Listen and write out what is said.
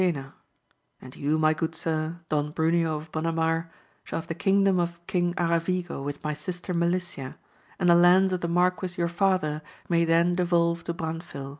snena ; and you, my good sir, Don Brtrneo of Bona mar, shall have the kingdom of King Aravigo with my sister Melicia, and the lands of the marquis yonr father may then devolve to Branfil.